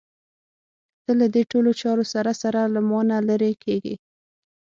ته له دې ټولو چارو سره سره له مانه لرې کېږې.